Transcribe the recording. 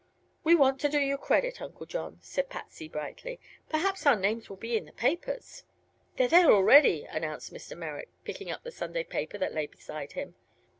"We want to do you credit, Uncle John," said Patsy, brightly. "Perhaps our names will be in the papers." "They're there already," announced Mr. Merrick, picking up the Sunday paper that lay beside him.